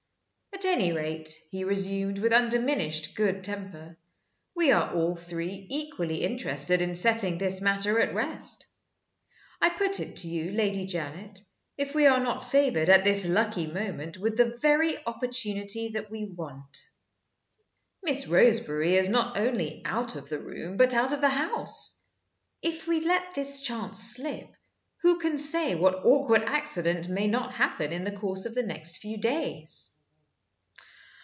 "At any rate," he resumed, with undiminished good temper, "we are all three equally interested in setting this matter at rest. I put it to you, Lady Janet, if we are not favored, at this lucky moment, with the very opportunity that we want? Miss Roseberry is not only out of the room, but out of the house. If we let this chance slip, who can say what awkward accident may not happen in the course of the next few days?"